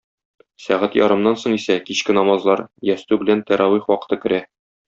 Сәгать ярымнан соң исә кичке намазлар - ястү белән тәравих вакыты керә.